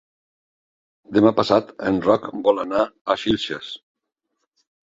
Demà passat en Roc vol anar a Xilxes.